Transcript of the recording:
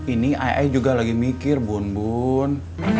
ini ayah juga lagi mikir bun bun